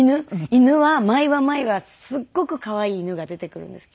犬は毎話毎話すっごく可愛い犬が出てくるんですけど。